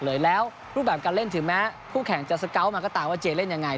เลยแล้วรูปแบบการเล่นถึงแม้คู่แข่งจะสเกาะมาก็ตามว่าเจเล่นยังไง